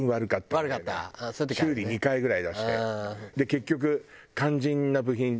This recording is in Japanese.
結局。